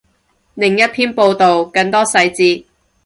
另一篇报道，更多细节